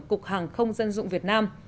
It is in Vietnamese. cục hàng không dân dụng việt nam